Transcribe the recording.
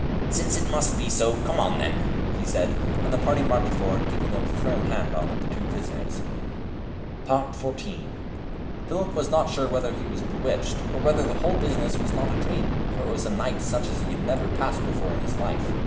"Since it must be so, come on then," he said; and the party marched forward, keeping a firm hand on the two prisoners. XIV. Phipip was not sure whether he was bewitched, or whether the whole business was not a dream, for it was a night such as he had never passed before in his life.